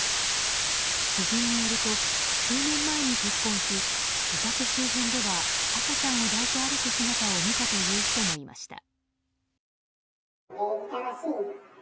知人によると、数年前に結婚し自宅周辺では赤ちゃんを抱いて歩く姿を見たという人もいました。